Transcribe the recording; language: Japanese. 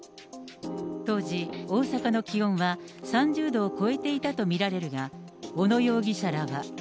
当時、大阪の気温は３０度を超えていたと見られるが、小野容疑者らは。